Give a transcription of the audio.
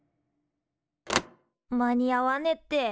間に合わねって。